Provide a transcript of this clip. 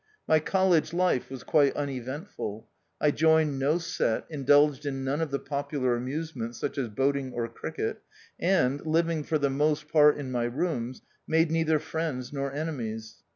My college life was quite uneventful. I joined no set, indulged in none of the popular amusements, such as boating or cricket ; and, living for the most part in my rooms, made neither enemies nor friends.